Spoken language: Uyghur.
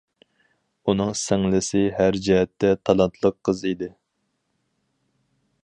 ئۇنىڭ سىڭلىسى ھەر جەھەتتە تالانتلىق قىز ئىدى.